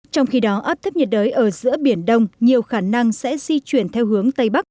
trong khi đó áp thấp nhiệt đới ở giữa biển đông nhiều khả năng sẽ di chuyển theo hướng tây bắc